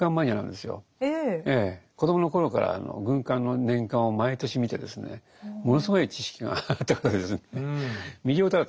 子どもの頃から軍艦の年鑑を毎年見てですねものすごい知識があった方ですね。